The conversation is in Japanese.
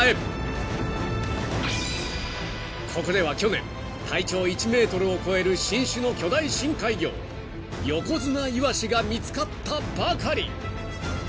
［ここでは去年体長１ｍを超える新種の巨大深海魚ヨコヅナイワシが見つかったばかり］